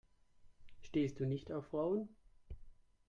Stehst du nicht auf Frauen?